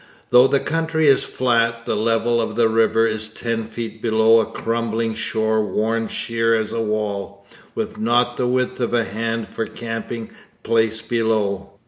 Though the country is flat, the level of the river is ten feet below a crumbling shore worn sheer as a wall, with not the width of a hand for camping place below.